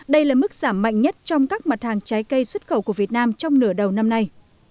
đây là mức giảm mạnh nhất trong các mặt hàng trái cây xuất khẩu của việt nam trong nửa đầu năm nay